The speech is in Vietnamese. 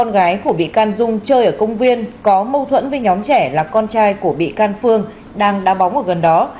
gần dung chơi ở công viên có mâu thuẫn với nhóm trẻ là con trai của bị can phương đang đa bóng ở gần đó